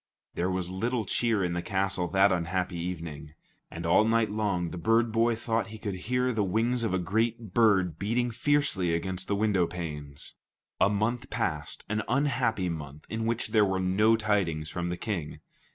There was little cheer in the castle that unhappy evening. And all night long, the bird boy thought he could hear the wings of a great bird beating fiercely against the window panes. A month passed, an unhappy month in which there were no tidings from the King.